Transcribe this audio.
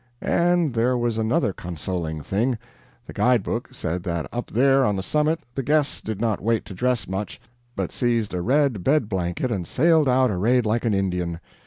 And there was another consoling thing: the guide book said that up there on the summit the guests did not wait to dress much, but seized a red bed blanket and sailed out arrayed like an Indian.